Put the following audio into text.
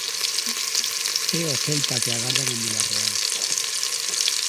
É o Celta que agardan en Vilarreal.